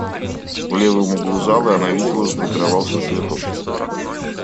В левом углу залы, она видела, сгруппировался цвет общества.